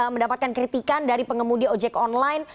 mendapatkan kritikan dari pengemudi ojek online